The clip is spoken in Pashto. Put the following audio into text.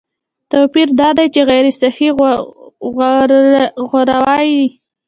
توپیر دا دی چې غیر صحي غوراوي